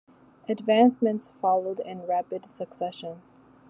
Advancements followed in rapid succession.